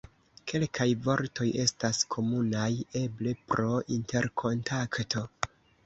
Kelkaj vortoj estas komunaj, eble pro interkontakto.